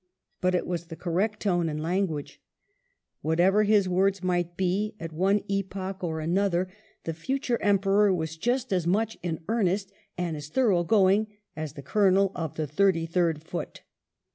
But it was the correct tone and language; Whatever his words might bo at one epoch or another, the future WELLINGTON Emperor was just as much in earnest and as thorough going as the colonel of the Thirty third Foot.